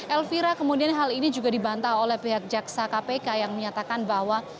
elvira kemudian hal ini juga dibantah oleh pihak jaksa kpk yang menyatakan bahwa